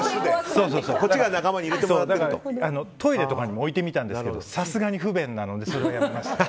トイレとかにも置いてみたんですけどさすがに不便なのでやめました。